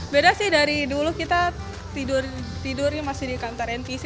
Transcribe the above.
beda sih dari dulu kita tidurnya masih di kantor npc